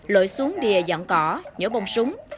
lội xuống đìa dọn cỏ nhổ bông súng